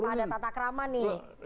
tanpa ada tata krama nih